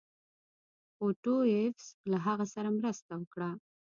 اوټو ایفز له هغه سره مرسته وکړه.